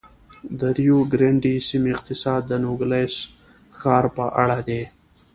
د ریو ګرنډي سیمې اقتصاد د نوګالس ښار په اړه دی.